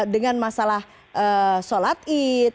dengan masalah sholat id